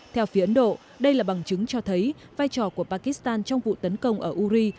theo phía ấn độ đây là bằng chứng cho thấy vai trò của pakistan trong vụ tấn công ở uri